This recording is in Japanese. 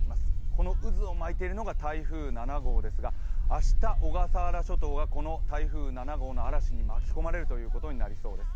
この渦を巻いているのが台風７号ですが明日、小笠原諸島がこの台風の嵐に巻き込まれるということになりそうです。